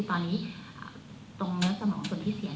ตรงแล้วสมองส่วนที่เศียร